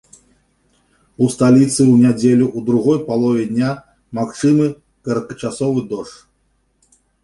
У сталіцы ў нядзелю ў другой палове дня магчымы кароткачасовы дождж.